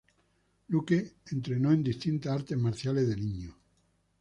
Luque entrenó en distintas artes marciales de niño.